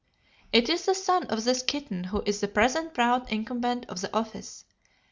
"It is the son of this kitten who is the present proud incumbent of the office.